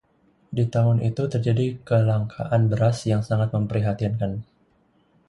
Di tahun itu terjadi kelangkaan beras yang sangat memprihatinkan.